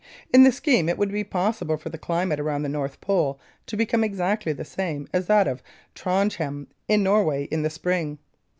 In the scheme it would be possible for the climate around the North Pole to become exactly the same as that of Trondhjem, in Norway, in the Spring.